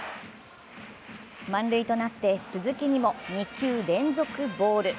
満塁となって鈴木にも２球連続ボール。